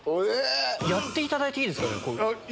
やっていただいていいですか？